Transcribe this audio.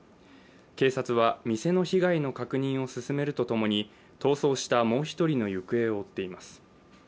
警察は店の被害の確認を進めるとともに逃走したもう１人の行方を追っています。